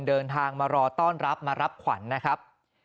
เดินทางมารอต้อนรับมารับขวัญนะครับ